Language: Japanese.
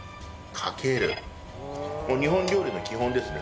日本料理の基本ですね。